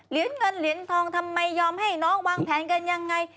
เงินเหรียญทองทำไมยอมให้น้องวางแผนกันยังไง